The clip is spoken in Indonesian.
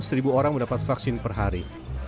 seribu orang mendapat vaksin per hari